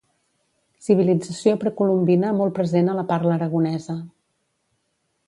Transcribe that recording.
Civilització precolombina molt present a la parla aragonesa.